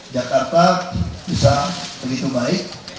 jakarta bisa begitu baik